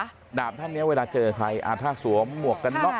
ดาบท่านเนี้ยเวลาเจอใครอ่าถ้าสวมหมวกกันน็อก